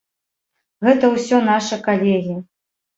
Гэта ўсё нашы калегі.